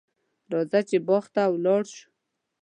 راځه چې باغ ته ولاړ شو.